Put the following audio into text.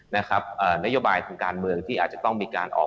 นโยบายทางการเมืองที่อาจจะต้องมีการออก